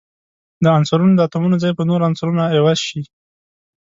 د عنصرونو د اتومونو ځای په نورو عنصرونو عوض شي.